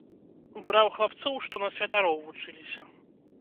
Браў хлапцоў, што на святароў вучыліся.